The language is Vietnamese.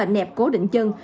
nẹp cố định chân